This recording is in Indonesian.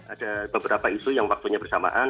ada beberapa isu yang waktunya bersamaan